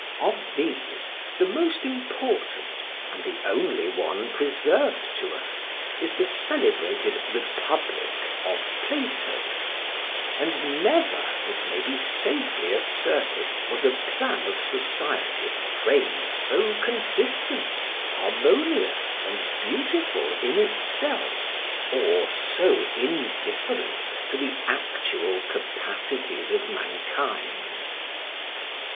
Of these the most important, and the only one preserved to us, is the celebrated "Republic" of Plato; and never, it may be safely asserted, was a plan of society framed so consistent, harmonious and beautiful in itself, or so indifferent to the actual capacities of mankind.